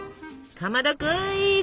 かまどクイズ！